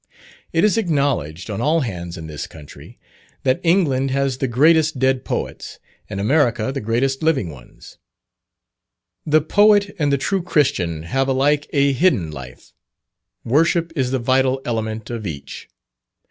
It is acknowledged on all hands in this country, that England has the greatest dead poets, and America the greatest living ones. The poet and the true Christian have alike a hidden life. Worship is the vital element of each.